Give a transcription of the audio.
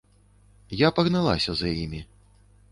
Я пагналася за імі.